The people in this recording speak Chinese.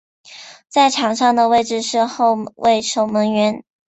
在场上的位置是后卫守门员。